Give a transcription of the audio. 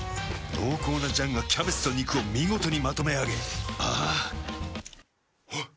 濃厚な醤がキャベツと肉を見事にまとめあげあぁあっ。